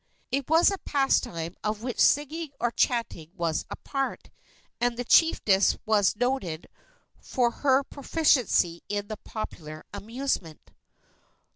It was a pastime of which singing or chanting was a part, and the chiefess was noted for her proficiency in the popular amusement.